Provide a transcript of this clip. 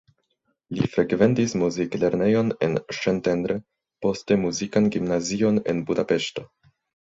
Li frekventis muziklernejon en Szentendre, poste muzikan gimnazion en Budapeŝto.